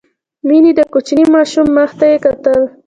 مينې د کوچني ماشوم مخ ته يې کتل.